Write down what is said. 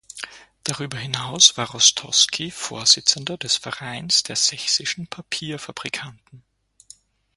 Darüber hinaus war Rostosky Vorsitzender des Vereins der sächsischen Papierfabrikanten.